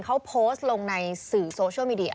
เขาโพสต์ลงในสื่อโซเชียลมีเดีย